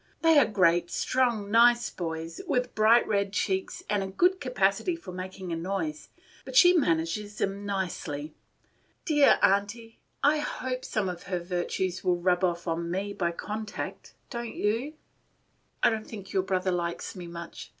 They are great, strong, nice boys, with bright red cheeks, and a good capacity for making a noise, but she manages them nicely. Dear Aunty, I hope some of her virtues will rub off on to me by contact; don't you? "I don't think your brother likes me much.